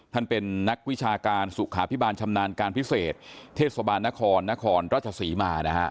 เป็นนักวิชาการสุขาพิบาลชำนาญการพิเศษเทศบาลนครนครราชศรีมานะฮะ